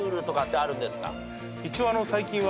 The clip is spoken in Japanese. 一応最近は。